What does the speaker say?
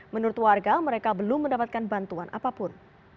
menurut warga mereka belum mendapatkan bantuan apapun